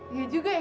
ya juga ya